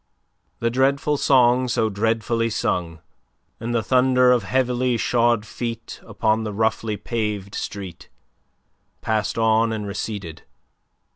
The dreadful song so dreadfully sung, and the thunder of heavily shod feet upon the roughly paved street, passed on and receded.